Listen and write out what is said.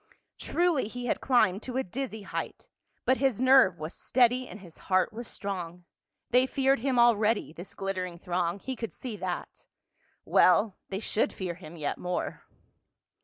Truly he had climbed to a dizzy height, but his nerve was steady and his heart was strong. They feared him already, this glittering throng, he could see that. Well, they should fear him yet more.